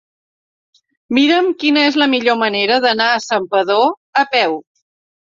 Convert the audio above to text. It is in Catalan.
Mira'm quina és la millor manera d'anar a Santpedor a peu.